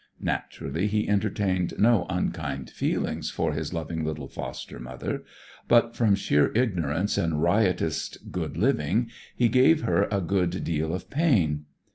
Naturally, he entertained no unkind feelings for his loving little foster mother; but, from sheer ignorance and riotous good living, he gave her a good deal of pain.